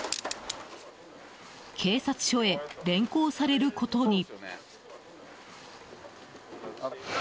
警察署へ連行されることに。